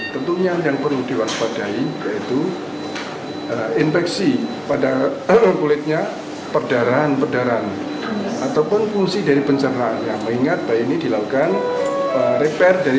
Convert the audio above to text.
tentunya yang perlu diwaspadai yaitu infeksi